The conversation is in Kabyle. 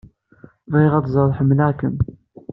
Bɣiɣ ad teẓreḍ ḥemmleɣ-kem.